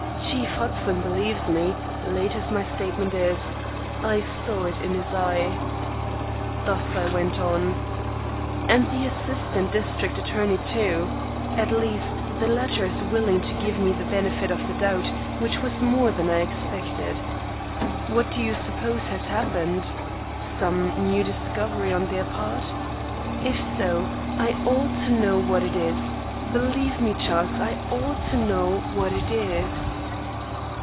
"Chief Hudson believes me, late as my statement is. I saw it in his eye." Thus I went on. "And the assistant district attorney, too. At least, the latter is willing to give me the benefit of the doubt, which was more than I expected. What do you suppose has happened? Some new discovery on their part? If so, I ought to know what it is. Believe me, Charles, I ought to know what it is."